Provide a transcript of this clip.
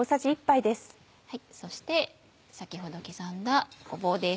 そして先ほど刻んだごぼうです。